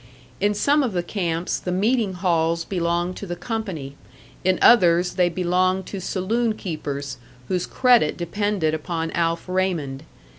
In some of the camps the meeting halls belonged to the company; in others they belonged to saloon keepers whose credit depended upon Alf Raymond.